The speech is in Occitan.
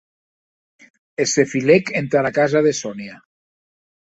E se filèc entara casa de Sonia.